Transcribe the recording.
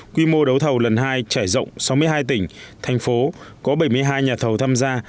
quy mô đấu thầu lần hai trải rộng sáu mươi hai tỉnh thành phố có bảy mươi hai nhà thầu tham gia